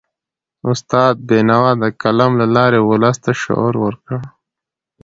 استاد بینوا د قلم له لاري ولس ته شعور ورکړ.